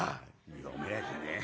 「読めやしねえ。